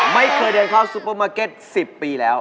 ไม่เคยเดินเข้าซูเปอร์มาร์เก็ต๑๐ปีแล้ว